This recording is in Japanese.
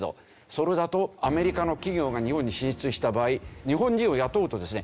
それだとアメリカの企業が日本に進出した場合日本人を雇うとですね